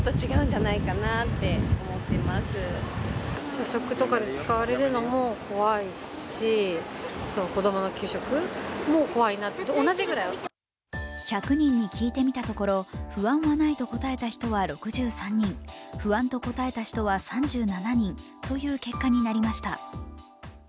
給食での活用について街の人は一方で、不安の声も１００人に聞いてみたところ、不安がないと答えた人は６３人、不安と答えた人は３７人という結果になりました。